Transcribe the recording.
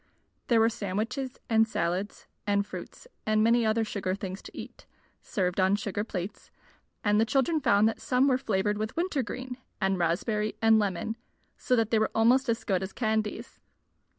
There were sandwiches and salads and fruits and many other sugar things to eat, served on sugar plates; and the children found that some were flavored with winter green and raspberry and lemon, so that they were almost as good as candies.